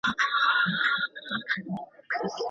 که ډاکټر ناروغ سي څه کیږي؟